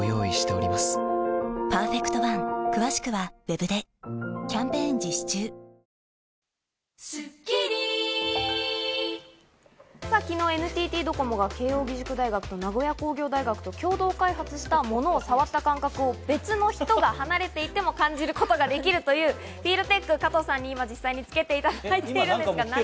これどんなものかとい昨日、ＮＴＴドコモが慶應義塾大学と名古屋工業大学と共同開発した、ものを触った感覚を、別の人が離れていても感じることができるというＦＥＥＬＴＥＣＨを今、実際、加藤さんにつけていただいているんですが。